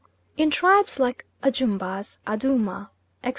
In tribes like Ajumbas, Adooma, etc.